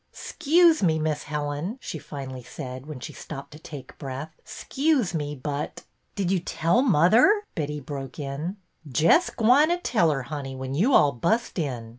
" 'Scuse me. Miss Helen," she finally said, when she stopped to take breath, 'scuse me, but —" Did you tell mother? " Betty broke in. ''Jes' gwine to tell 'er, honey, when you all bust in.